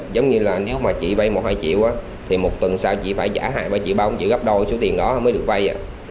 giống như nếu chị vay một hai triệu thì một tuần sau chị phải trả hai ba triệu chị gấp đôi số tiền đó mới được vay